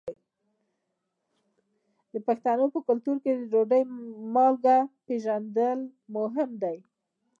د پښتنو په کلتور کې د ډوډۍ مالګه پیژندل مهم دي.